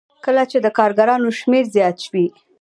کله چې د کارګرانو شمېر زیات وي